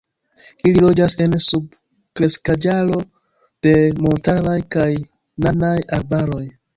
Ili loĝas en subkreskaĵaro de montaraj kaj nanaj arbaroj.